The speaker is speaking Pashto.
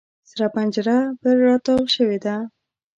سره پنجره پر را تاو شوې ده.